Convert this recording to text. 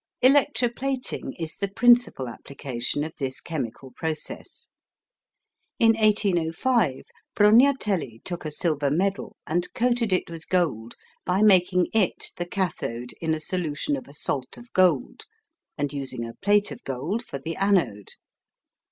Electro plating is the principal application of this chemical process. In 1805 Brugnatelli took a silver medal and coated it with gold by making it the cathode in a solution of a salt of gold, and using a plate of gold for the anode.